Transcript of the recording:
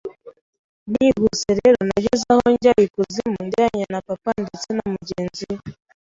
Nihuse rero nageze aho njya I kuzimu njyanye na papa ndetse na mugenzi we